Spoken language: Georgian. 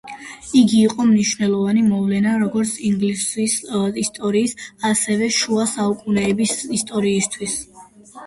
იგი იყო მნიშვნელოვანი მოვლენა, როგორც ინგლისის ისტორიის, ასევე შუა საუკუნეების ისტორიისათვის.